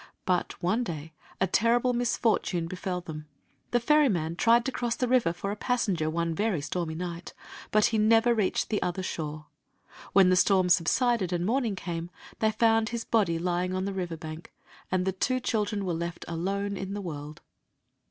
But one day a terrible misfortune befell them. The ferryman tried to cross the river for a passenger one very stormy night; but he never reached the other shore. When the storm subsided and morning came they found his body lying on the river bank, and the two children were left alone in the world.